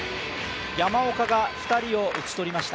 山岡が２人を打ち取りました。